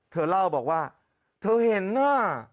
เธอเล่าบอกว่าเธอเห็นหน้า